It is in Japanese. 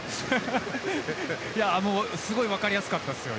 すごい分かりやすかったですよ